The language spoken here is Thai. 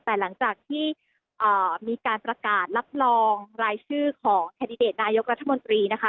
แต่หลังจากที่มีการประกาศรับรองรายชื่อของแคนดิเดตนายกรัฐมนตรีนะคะ